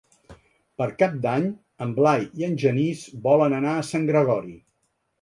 Per Cap d'Any en Blai i en Genís volen anar a Sant Gregori.